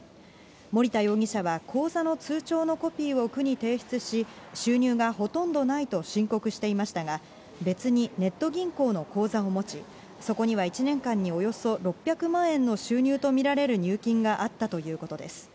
森田容疑者は口座の通帳のコピーを区に提出し、収入がほとんどないと申告していましたが、別にネット銀行の口座を持ち、そこには１年間におよそ６００万円の収入と見られる入金があったということです。